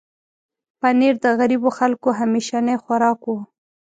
پنېر د غریبو خلکو همیشنی خوراک و.